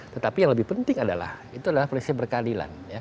tetapi yang lebih penting adalah itu adalah prinsip berkeadilan